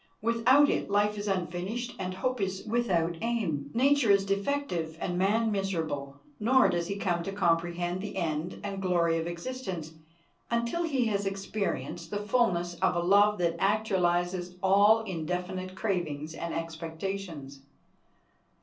Without it life is unfinished and hope is without aim, nature is defective and man miserable; nor does he come to comprehend the end and glory of existence until he has experienced the fullness of a love that actualizes all indefinite cravings and expectations.